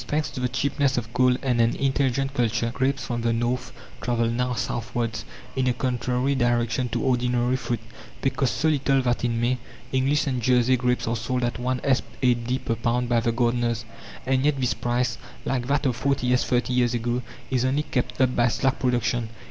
Thanks to the cheapness of coal and an intelligent culture, grapes from the north travel now southwards, in a contrary direction to ordinary fruit. They cost so little that in May, English and Jersey grapes are sold at 1s. 8d. per pound by the gardeners, and yet this price, like that of 40s. thirty years ago, is only kept up by slack production.